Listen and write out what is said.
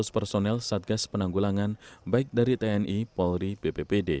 seratus personel satgas penanggulangan baik dari tni polri bppd